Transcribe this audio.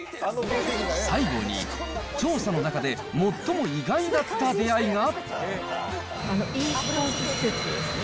最後に、調査の中で最も意外だった出会いが。